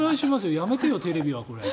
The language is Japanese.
やめてよ、テレビは。